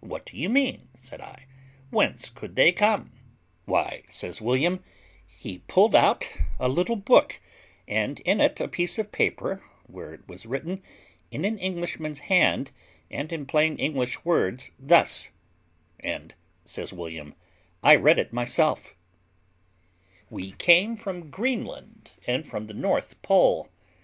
"What do you mean?" said I. "Whence could they come?" "Why," says William, "he pulled out a little book, and in it a piece of paper, where it was written, in an Englishman's hand, and in plain English words, thus; and," says William, "I read it myself: 'We came from Greenland, and from the North Pole.'"